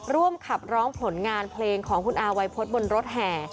ร่วมขับร้องผลงานเพลงของคุณอาวัยพฤษบนรถแห่